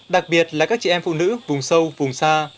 đặc biệt là các chị em phụ nữ vùng sâu vùng xa